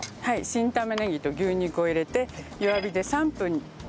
新玉ねぎと牛肉を入れて弱火で３分煮てください。